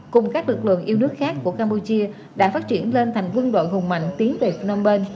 cùng các lực lượng yêu nước khác của campuchia đã phát triển lên thành quân đội hùng mạnh tiến tuyệt nông bên